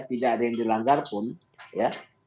tidak ada yang dilanggar pun ya